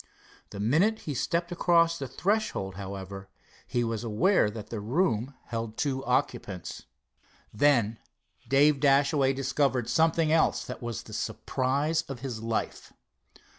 The minute he stepped across the threshold, however, he was aware that the room held two occupants. Then Dave Dashaway discovered something else, that was the surprise of his life.